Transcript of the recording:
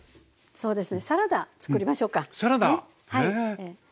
そうです。